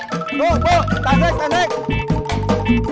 tuh tuh tasik tasik